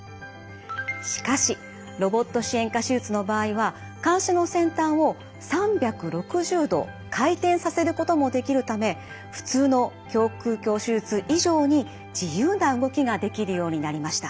しかしロボット支援下手術の場合は鉗子の先端を３６０度回転させることもできるため普通の胸腔鏡手術以上に自由な動きができるようになりました。